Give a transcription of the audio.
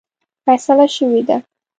فیصله شوې ده.